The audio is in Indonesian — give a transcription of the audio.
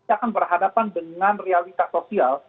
akan berhadapan dengan realika sosial